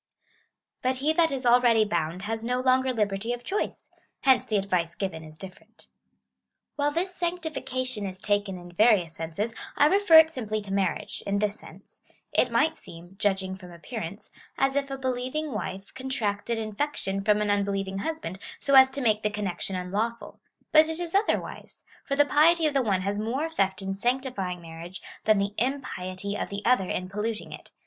But he that is already bound has no longer liberty of choice ; hence the advice given is diiferent. Wliile this sanctification is taken in various senses, I re fer it simply to marriage, in this sense — It might seem (judging from appearance) as if a believing wife contracted infection from an unbelieving husband, so as to make the VOL. L Q 242 COMMENTARY ON THE CHAP. VII. 14. connection unlawful ; but it is otherwise, for the piety of the one has more effect in sanctifying mai'riage than the impiety of the other in polluting it.